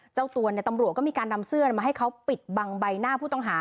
เจ้าตัวตำรวจก็มีการนำเสื้อมาให้เขาปิดบังใบหน้าผู้ต้องหา